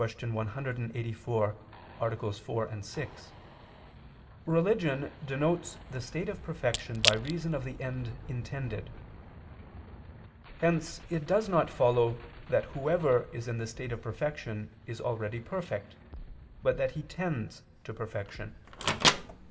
184, AA. 4, 6) religion denotes the state of perfection by reason of the end intended. Hence it does not follow that whoever is in the state of perfection is already perfect, but that he tends to perfection.